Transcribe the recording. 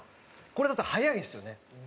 これだと早いんですよね。